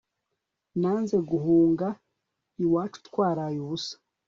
nanze guhunga iwacu twaraye ubusa